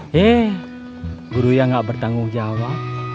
hei guru yang gak bertanggung jawab